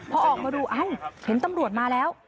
พอออกมาดูเอ้าเห็นตำรวจมาแล้ว